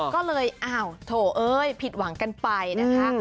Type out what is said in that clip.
ก็เลยโถเอ้ยผิดหวังกันไปนะครับ